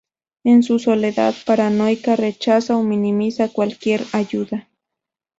En su soledad paranoica rechaza o minimiza cualquier ayuda.